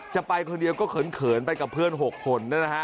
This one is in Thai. จะไปคนเดียวก็เขินไปกับเพื่อน๖คน